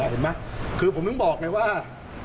เห็นไหมคือผมถึงบอกไงว่า